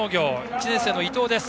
１年生の伊藤です。